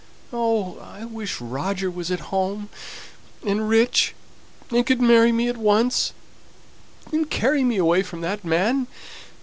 Oh! I wish Roger was at home, and rich, and could marry me at once, and carry me away from that man!